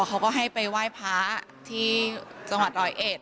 เขาก็ให้ไปไหว้พระที่จังหวัดร้อยเอ็ด